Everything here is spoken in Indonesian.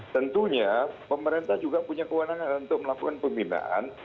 tentunya pemerintah juga punya kewenangan untuk melakukan pembinaan